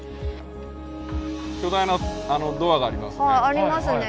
巨大なドアがありますね。